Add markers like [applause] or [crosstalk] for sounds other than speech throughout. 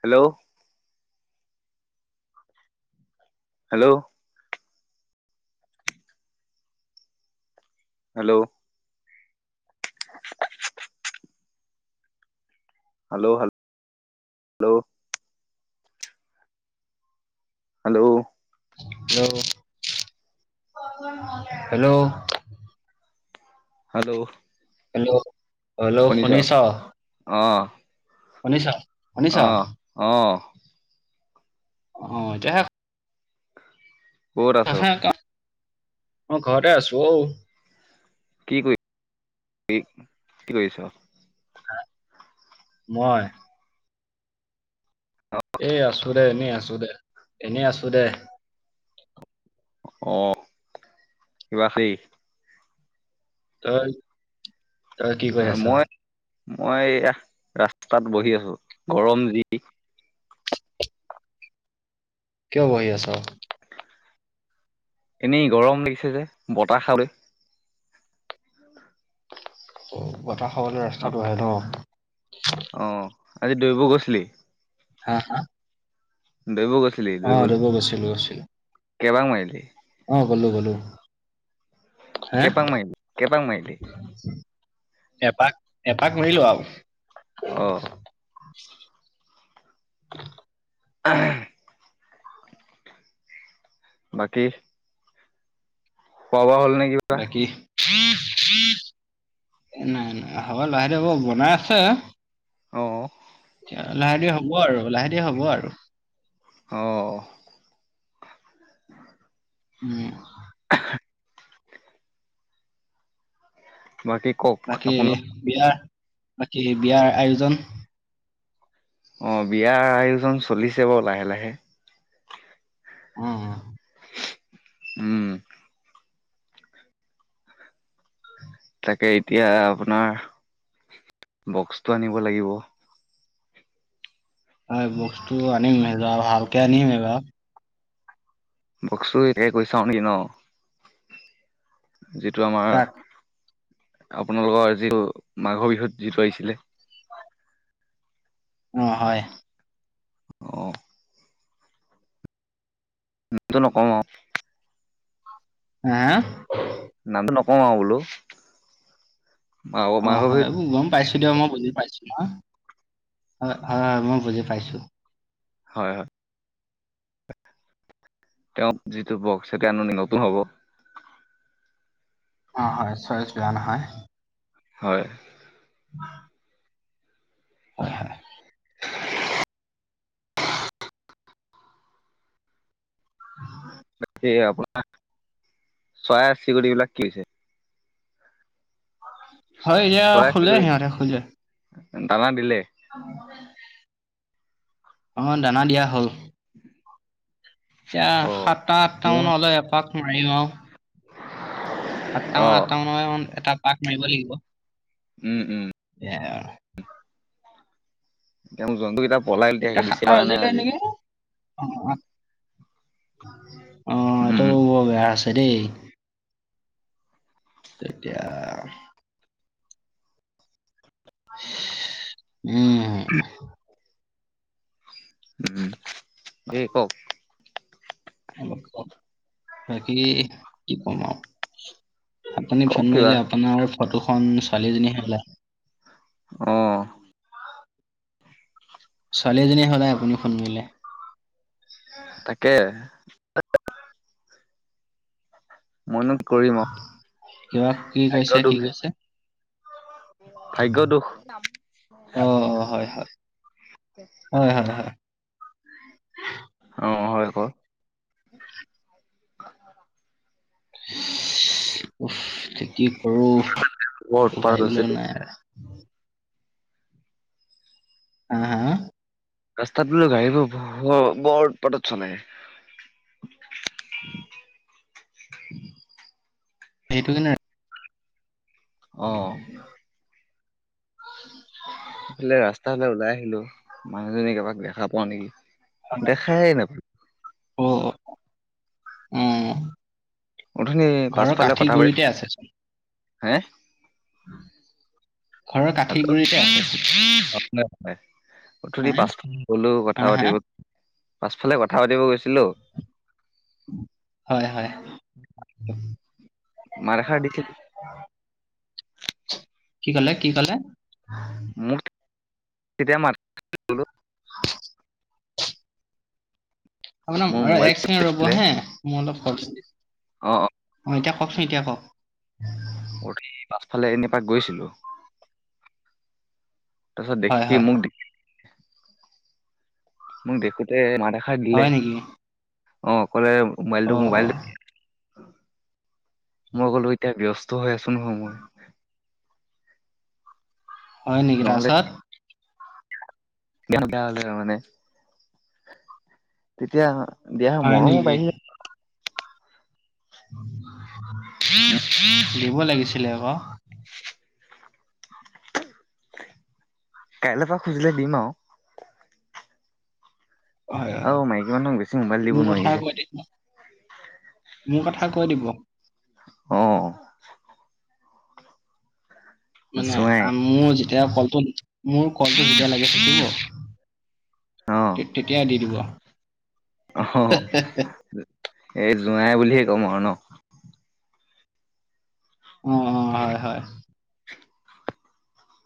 Hello hello hello hello হে hello hello hello hello hello hello hello শুনিছ শুনিছা অ শুনিছা অ শুনিছো অ অ এতিয়াহে ক'ত আছ আহা এতিয়া মই ঘৰতে আছো অ কি কৰি কি কৰিছ হা মই এ আছো দে এনেই আছো দে এনেই আছো দে অহ কিবা খালি তই তই কি আ কৰি আছ মই মই এয়া ৰাস্তাত বহি আছো গৰম যি কিয় বহি আছ এনেই গৰম লাগিছে যে বতাহ খাবলে অহ বতাহ খাবলে ৰাস্তাত বহে ন অ আজি দৌৰিব গৈছিলি হা হা দৌৰিব গৈছিলি দৌৰিবলে দৌৰিব গৈছিলো গৈছিলো কেইপাক মাৰিলি অ গলো গলো। হে। কেইপাক মাৰিলি কেইপাক মাৰিলি এপাক এপাক মাৰিলো আও অ। [unintelligible] [unintelligible] বাকী। খোৱা বোৱা হ'ল নেকি বাকী। [unintelligible] এ নাই নাই হব লৰাটোৱে বনাই আছে। অ। লাহে দিহে হ'ব আৰু লাহে দিহে হ'ব আৰু। অ উম। বাকী কওক। আপোনাৰ বাকী বিয়াৰ বাকী বিয়াৰ আয়োজন। অ বিয়াৰ আয়োজন চলিছে বাৰু লাহে লাহে। উম উম। উম। তাকে এতিয়া আপোনাৰ বক্সটো আনিব লাগিব। হয় বক্সটো আনিম এইবাৰ ভালকে আনিম এইবাৰ। বক্স‌টো এতিয়া কৈ চাও নেকি ন যিটো আমাৰ কাক আপোনালোকৰ এইটো মাঘৰ বিহুত যিটো আহিছিলে। কি হয় অ হয়। অ। নামটো নকওঁ। হা নামটো নকওঁ আও বোলো। মাঘ অ মাঘৰ হয় বিহুত এইবোৰ গম পাইছো দিয়ক মই বুজি পাইছো নহয় হয় হয় মই বুজি পাইছো। হয় হয়। তেওঁ যিটো বক্স সেইটো আনো নেকি নতুন হব। অ হয় চয়জ বেয়া নহয়। হয়। [unintelligible] হয় হয়। [inaudible] কিয় আপোনাৰ চৰাই চিৰিকটিবিলাক কি হৈছে? হয়, এতিয়া চৰাই শুলে চিৰিকটি সিহঁতে শুলে। দানা দিলে? [inaudible] অ' দানা দিয়া হ'ল। এতিয়া অ সাতটা আঠটা মোৰ মানে হ'লে এপাক মাৰিম আৰু। অ সাতটামান আঠটামান এটা পাক মাৰিব লাগিব। উম, উম। [unintelligible] এতিয়া মোৰ জন্তুকেইটা পলাল, এতিয়া তেতিয়া সাতটা বিচা পোৱা নাই বাজিলে আজি। নেকি অ' উম এইটো বৰ বেয়া হৈছে দেই। এতিয়া [inaudible] [inaudible] এ, কওক। অলপ ক, বাকী কি ক'ম আৰু। আপুনি কওক ফোন কিবা মাৰিলে আপোনাৰ ফটোখন ছোৱালীজনীহে ওলায়। অ'। ছোৱালী এজনী সদায় আপুনি ফোন কৰিলে। তাকে। মইনো কি কৰিম আৰু, কিবা কি ভাগ্য কৈছে কি দুখ যে। কৈছে ভাগ্য দুখ। অ' হয় হয়, হয় হয় হয়। অ' হয় কওক। [inaudible] কি কৰোঁ বৰ উৎপাত হৈছিল ভাবিবলৈ নাই আৰু। হা, হা ৰাস্তাত বোলো গাড়ীবোৰ ব-বৰ উৎপাতত চলে। সেইটো কিনে অ [inaudible] ইফালে ৰাস্তা ফালে ওলাই আহিলোঁ, মানুহজনী এপাক দেখা পাও নেকি দেখাই নাপায়। অ' উম। অথনি পাছফালে কথা পাতি, গুৰিতে আছে চোন হে? ঘৰৰ কাঠিৰ গুৰিতে আছে। হয়। অথনি হা পাছ [unintelligible] গ'লো কথা হা হা পাতিব পাছফালে কথা পাতিব গৈছিলোঁ হয় হয়। মাত এষাৰ দিছিলো কি ক'লে, কি ক'লে? মোৰ তেতিয়া মাত [inaudible] আপোন মোৰ আৰু মোবাইল এক চেকেণ্ড ৰ'ব আছিলে হে, মই অলপ [unintelligible] অ' অ এতিয়া কওকচোন, এতিয়া কওক। পাছফালে এনেই পাক গৈছিলোঁ। তাৰপিছত হয় দেখি হয় মোক দে মোক দেখোতে মাত এষাৰ দিলে হয়, নেকি? অ', কলে মোবাইলটো অ মোবাইল অ মই ক'লো এতিয়া ব্যস্ত হৈ আছো, নহয়। মই হয়, নেকি নহ'লে তাৰপিছত? [unintelligible] তেতিয়া দিয়া হয় মৰমো নেকি বাঢ়ি দিব লাগিছিলে, আকৌ কাইলৈৰ পৰা খুজিলে দিম আৰু হয়। আৰু হয়। মাইকী মানুহক বেছি মোবাইল দিব মোৰ নোৱাৰি কথা যে [unintelligible] মোৰ কথা কৈ দিব অ', মানে জোঁৱাই মোৰ যেতিয়া কলটো মোৰ কলটো যেতিয়া লাগে অ থাকিব। তেতিয়াই দি দিব। অ এই যোঁৱাই বুলিহে ক'ম আৰু ন অ', অ, হয়। হয়।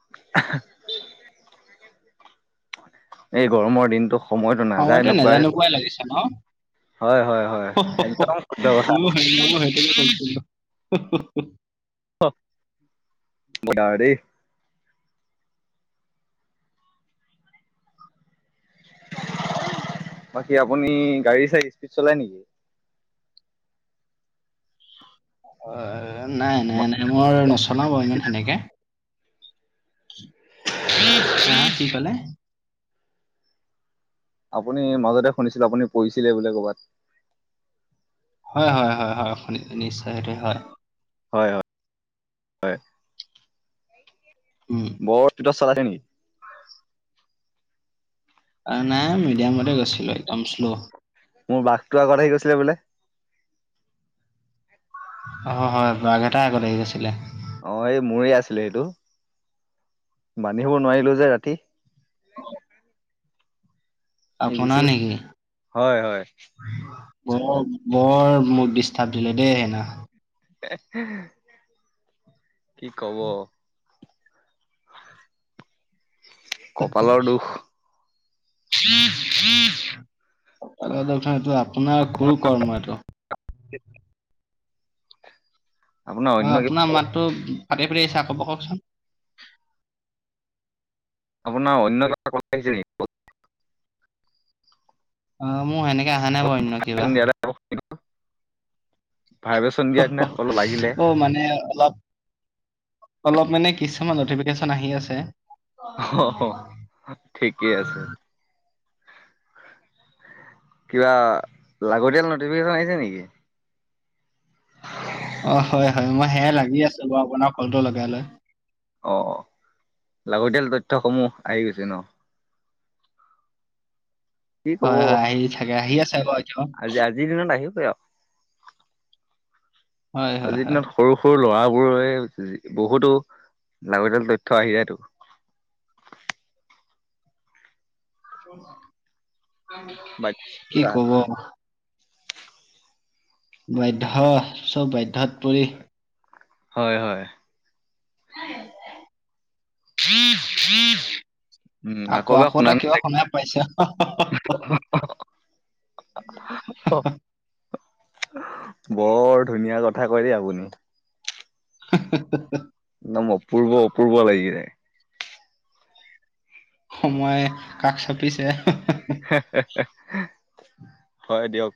[unintelligible] এই গৰমৰ দিনটো সময়তো অ', নাযায় এইটো নোপায় নেযাই নোপোৱাই লাগিছে ন। হয়। হয়। হয়। একদম শুদ্ধ কথা। ময়ো [unintelligible] [unintelligible] বাকী আপুনি গাড়ী চাড়ী স্পীড চলাই নেকি? অ', নাই। নাই। নাই। মই নচলাও বাৰু ইমান সেনেকে হা', কি কলে আপুনি মাজতে শুনিছিলো। আপুনি পৰিছিলে বোলে ক'ৰবাত? হয়। হয়। হয়। হয়। নিশ্চয় সেইটো হয়। হয়। হয়। হয়। উম', বৰ স্পীডত চলাইছে নেকি? আৰু নাই মিডিয়ামতে গৈছিলো। একদম শ্ল' মোৰ বাঘটো আগত আহি গৈছিলে বোলে। অ', হয়। বাঘ এটা আগত আহি গৈছিলে। অ', এই মোৰে আছিলে সেইটো বান্ধি থ'ব নোৱাৰিলো যে ৰাতি। ই গুচি আপোনাৰ গল। নেকি? হয় হয় বৰ বৰ মোক ডিষ্টাৰ্ব দিলে, দেই সেইদিনা [unintelligible] কি কব? কপালৰ দূষ এইটো আপোনাৰ [unintelligible] কৰ্ম এইটো [unintelligible] আপোনাৰ অন্য অ', কিবা আপোনাৰ মাতটো ফাটি ফুতি আহিছে। আকৌ কওকচোন আপোনাৰ অন্য কথা ক আহিছে নেকি? অ', মোৰ সেনেকে আহা নাই বাৰু কিবা। [unintelligible] ভাইব্ৰেচন দিয়া দিনা অলপ লাগিলে অ' মানে অলপ অলপ মানে কিছুমান নটিফিকেশ্যন আহি আছে। অ' ঠিকেই আছে। কিবা লাগতিয়াল নটিফিকেশ্যন আহিছে নেকি? অ', হয় হয় মই সেয়াই লাগি আছো বাৰু আপোনাৰ কলটো লগাই লৈ। অ', অ' লাগতিয়াল তথ্যসমূহ আহি গৈছে ন? কি কব হয়, হয় আহি থাকে আহি আছে আকৌ এতিয়াও। আজি দিনত আহিবৈ আৰু। হয় হয় আজিৰ হয় দিনত সৰু সৰু ল'ৰাবোৰৰে বহুতো লাগতিয়াল তথ্য আহি যায়তো। বাক্য কি ৰাহটো। ক'ব। বাধ্য, চব বাধ্যত পৰি হয়, হয়। হম হম উম [unintelligible] আকৌ, এবাৰ আকৌ শুনা এটা নিচিনা কিবা লাগিব শুনাই পাইছো। বৰ ধুনীয়া কথা কয় দেই আপুনি। হ [unintelligible] একদম অপূৰ্ব অপূৰ্ব লাগি যায়। সময় কাষ চাপিছে। হয় দিয়ক।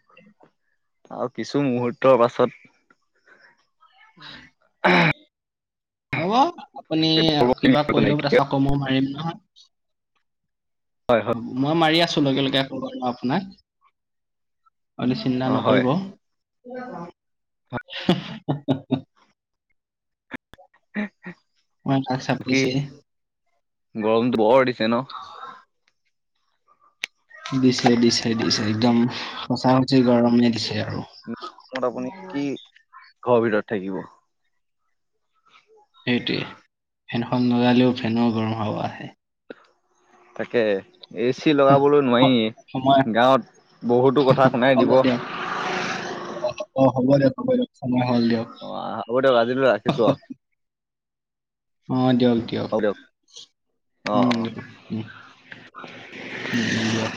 আৰু কিছু মুহূৰ্তৰ পাছত হ'ব আপুনি কিবা কৰিলেও প নাইকিয়া আকৌ মই মাৰিম নহয়। হয়, হয়। মই মাৰি আছো লগে লগে আপোনাক, আপুনি চিন্তা অ হয় নকৰিব। [unintelligible] ময় কাষ চাপিছেই। গৰমতটো বৰ দিছে ন? হয়। [unintelligible] দিছে, দিছে, দিছে একদম সঁচা সুচি গৰমে দিছে আৰু। এনেকুৱা গৰমত আপুনি কি ঘৰৰ ভিতৰত থাকিব। সেইটোৱে, ফেনখন লগালেও ফেনৰো গৰম হাৱা আহে। তাকে। এ চি লগাবলৈ নোৱাৰি, সময় গাঁৱত বহুতো কথা শুনাই দিব। অ', অ, হ'ব দিয়ক হ'ব দিয়ক সময় হ'ল দিয়ক। অ, হ'ব দিয়ক আজিলে ৰাখিছো আৰু। অ', দিয়ক দিয়ক। অ উম অ দ উম, উম, উম দিয়ক।